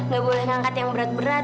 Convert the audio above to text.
gak boleh ngangkat yang berat berat